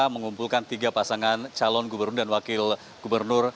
mengumpulkan tiga pasangan calon gubernur dan wakil gubernur